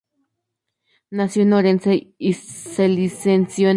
Nació en Orense y se licenció en Derecho.